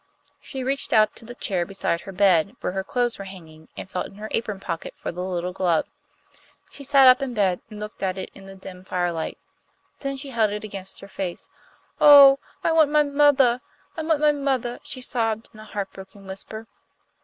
She reached out to the chair beside her bed, where her clothes were hanging, and felt in her apron pocket for the little glove. She sat up in bed, and looked at it in the dim firelight. Then she held it against her face. "Oh, I want my mothah! I want my mothah!" she sobbed, in a heart broken whisper.